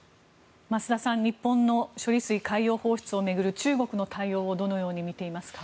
増田さん日本の処理水海洋放出を巡る中国の対応をどう見ていますか。